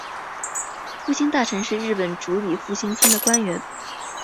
复兴大臣是日本主理复兴厅的官员。